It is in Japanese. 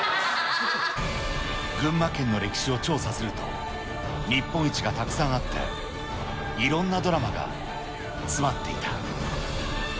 群馬県の歴史を調査すると、日本一がたくさんあって、いろんなドラマが詰まっていた。